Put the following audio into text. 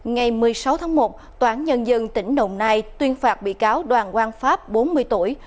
ngày một mươi sáu tháng một tòa án nhân dân tỉnh đồng nai tuyên phạt bị cáo đoàn quan pháp bốn mươi tuổi